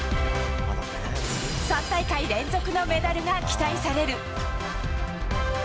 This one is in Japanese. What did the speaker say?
３大会連続のメダルが期待される。